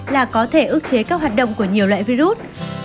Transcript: là có thể ước chế các hoạt động của nhiều loại virus